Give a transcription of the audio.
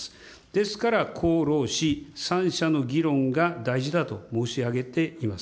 ですから、公労使３者の議論が大事だと申し上げています。